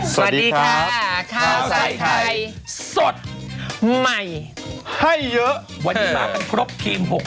สวัสดีค่ะข้าวใส่ไข่สดใหม่ให้เยอะวันนี้มากันครบทีม๖๐